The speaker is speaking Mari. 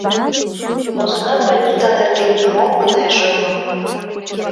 Поснак Анита нерген нимом ынеж ойло.